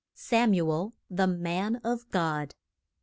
SAMUEL THE MAN OF GOD.